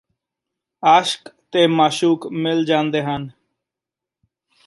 ਆਸ਼ਕ ਤੇ ਮਾਸ਼ੂਕ ਮਿਲ ਜਾਂਦੇ ਹਨ